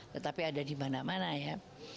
tetapi ada di mana mana ya